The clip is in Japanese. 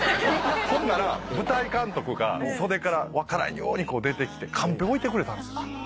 ほんなら舞台監督が袖から分からんように出てきてカンペ置いてくれたんすよ。